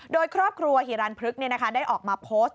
โดยครอบครัวฮิรันพฤกษ์ได้ออกมาโพสต์